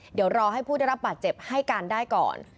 เดี๋ยวรอให้ผู้ได้รับบาดเจ็บให้การได้ก่อน